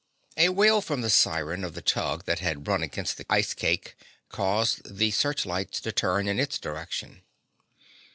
A wail from the siren of the tug that had run against the ice cake caused the searchlights to turn in its direction.